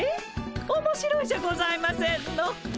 おもしろいじゃございませんの。